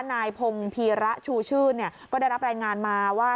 นายพงพีระชูชื่นก็ได้รับรายงานมาว่า